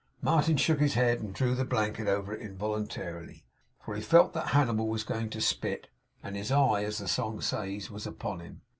Martin shook his head, and drew the blanket over it involuntarily; for he felt that Hannibal was going to spit; and his eye, as the song says, was upon him.